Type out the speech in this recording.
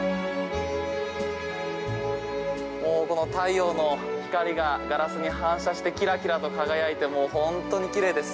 太陽の光がガラスに反射してキラキラと輝いて本当に奇麗です。